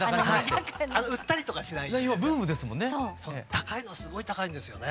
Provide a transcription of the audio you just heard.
高いのすごい高いんですよね。